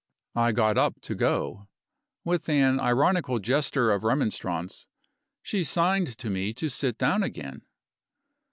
I got up to go. With an ironical gesture of remonstrance, she signed to me to sit down again.